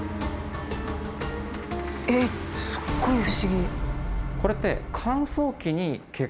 えっすっごい不思議。